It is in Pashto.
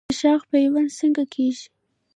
د شاخ پیوند څنګه کیږي؟